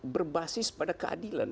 berbasis pada keadilan